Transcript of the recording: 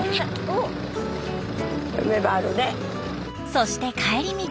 そして帰り道。